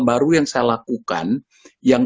baru yang saya lakukan yang